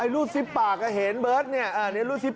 เลือกหนาวเลือกหนาวเข้าไปครับ